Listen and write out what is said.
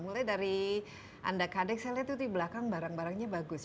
mulai dari anda kadek saya lihat itu di belakang barang barangnya bagus